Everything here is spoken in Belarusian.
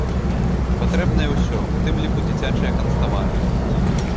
Патрэбнае ўсё, у тым ліку дзіцячыя канцтавары.